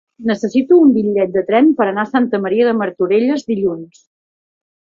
Necessito un bitllet de tren per anar a Santa Maria de Martorelles dilluns.